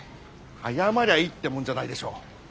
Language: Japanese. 謝りゃいいってもんじゃないでしょ。